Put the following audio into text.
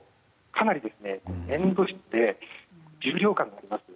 かなり粘土質で重量感があります。